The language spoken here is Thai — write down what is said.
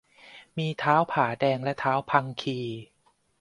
มีท้าวผาแดงและท้าวพังคี